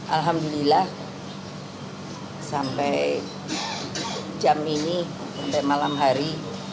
alhamdulillah sampai jam ini sampai malam hari